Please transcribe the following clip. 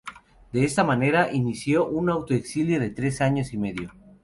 De esta manera, inició un autoexilio de tres años y medio.